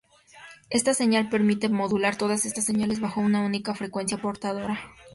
Esta señal permite modular todas estas señales bajo una única frecuencia portadora.